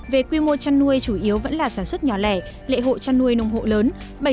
về quy mô chăn nuôi chủ yếu vẫn là sản xuất nhỏ lẻ lễ hội chăn nuôi nông hộ lớn